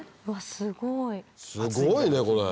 うわすごい！